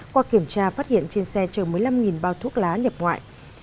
qua kiểm tra phát hiện trên xe chờ một mươi năm bao thuốc lá nhập ngoại